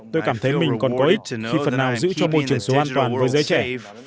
tôi cảm thấy mình còn có ích khi phần nào giữ cho môi trường số an toàn với giới trẻ